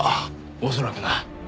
恐らくな。